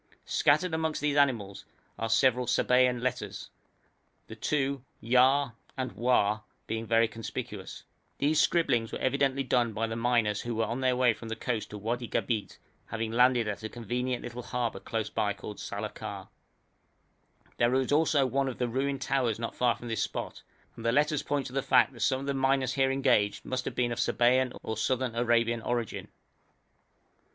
Scattered amongst these animals are several Sabæan letters, the two [Symbol: script] (ya) and [Symbol: script] (wa) being very conspicuous. These scribblings were evidently done by the miners who were on their way from the coast to Wadi Gabeit, having landed at a convenient little harbour close by called Salaka. There is also one of the ruined towers not far from this spot, and the letters point to the fact that some of the miners here engaged must have been of Sabæan or Southern Arabian origin.